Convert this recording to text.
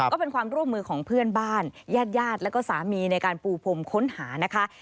ก็เป็นความร่วมมือของเพื่อนบ้านญาติญาติแล้วก็สามีในการปูพรมค้นหานะคะ